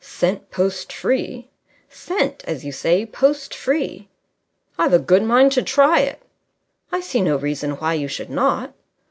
"Sent post free." "Sent, as you say, post free." "I've a good mind to try it." "I see no reason why you should not."